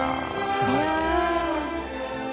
すごい。